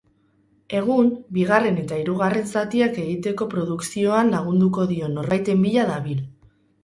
Egun, bigarren eta hirugarren zatiak egiteko produkzioan lagunduko dion norbaiten bila dabil.